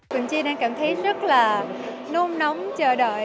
quỳnh chi đang cảm thấy rất là nôn nóng chờ đợi